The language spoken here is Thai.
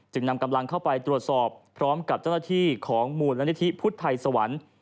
นำกำลังเข้าไปตรวจสอบพร้อมกับเจ้าหน้าที่ของมูลนิธิพุทธไทยสวรรค์